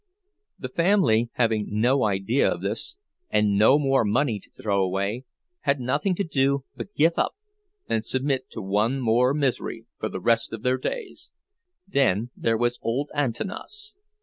The family, having no idea of this, and no more money to throw away, had nothing to do but give up and submit to one more misery for the rest of their days. Then there was old Antanas.